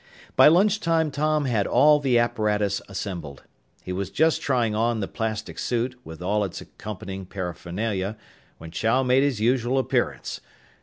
By lunchtime Tom had all the apparatus assembled. He was just trying on the plastic suit, with all its accompanying paraphernalia, when Chow made his usual appearance.